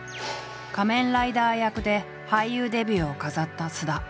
仮面ライダー役で俳優デビューを飾った菅田。